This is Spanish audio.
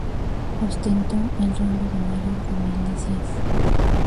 Ostentó el rango de mayor de milicias.